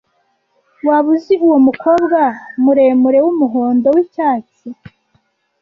Waba uzi uwo mukobwa muremure wumuhondo wicyatsi?